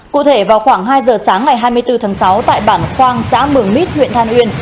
cụ thể vào khoảng hai giờ sáng ngày hai mươi bốn tháng sáu tại bản khoang xã mường mít huyện than uyên